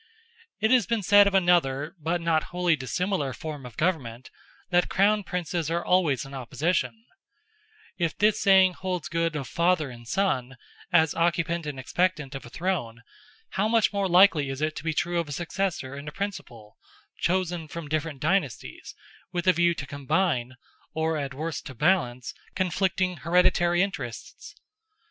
It has been said of another but not wholly dissimilar form of government, that Crown Princes are always in opposition; if this saying holds good of father and son, as occupant and expectant of a throne, how much more likely is it to be true of a successor and a principal, chosen from different dynasties, with a view to combine, or at worst to balance, conflicting hereditary interests?